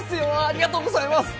ありがとうございます！